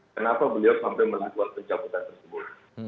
kenapa beliau sampai melakukan pencabutan tersebut